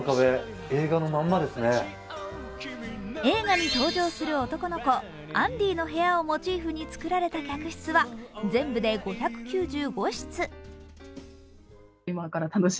映画に登場する男の子・アンディの部屋をモチーフに造られた客室は全部で５９５室。